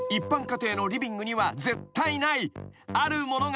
家庭のリビングには絶対にないもの。